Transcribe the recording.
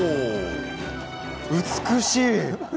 美しい。